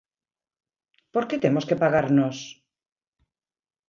Por que temos que pagar nós?